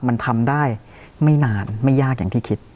มันทำได้ไม่นานไม่ยากอย่างที่คิด